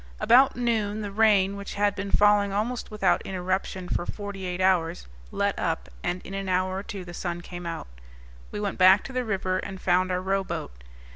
About noon the rain, which had been falling almost without interruption for forty eight hours, let up, and in an hour or two the sun came out. We went back to the river, and found our rowboat.